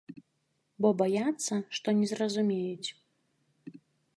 Бо баяцца, што не зразумеюць.